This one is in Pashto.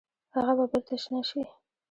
هغه به بیرته شنه شي؟